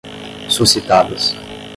suscitadas